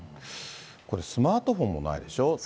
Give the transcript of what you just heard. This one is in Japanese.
これ、スマートフォンもないでしょ。